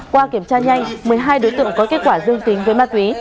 qua kiểm tra nhanh một mươi hai đối tượng có kết quả dương tính với ma túy